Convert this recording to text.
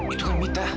itu kan mita